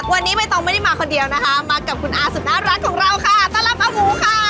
วันนี้ใบตองไม่ได้มาคนเดียวนะคะมากับคุณอาสุดน่ารักของเราค่ะต้อนรับอาหมูค่ะ